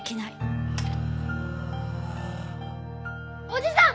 おじさん！